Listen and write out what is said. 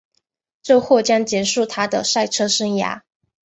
这或将结束她的赛车生涯。